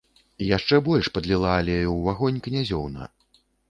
Яшчэ больш падліла алею ў агонь князёўна.